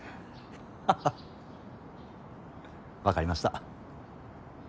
ハハっ分かりました。